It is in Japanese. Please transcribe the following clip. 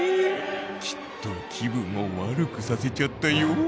きっと気分を悪くさせちゃったよ。